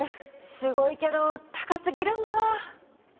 すごいけど高すぎるんだわ。